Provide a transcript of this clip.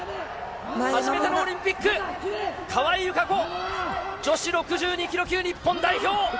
初めてのオリンピック、川井友香子、女子６２キロ級日本代表。